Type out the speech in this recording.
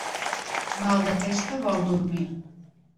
Mal de testa vol dormir.